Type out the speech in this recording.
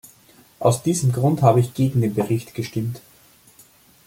Aus diesem Grund habe ich gegen den Bericht gestimmt.